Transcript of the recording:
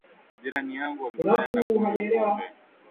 Jirani yangu anapenda kunywa pombe